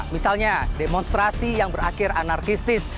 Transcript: misalnya demonstrasi yang berakhir anarkistis